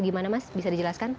gimana mas bisa dijelaskan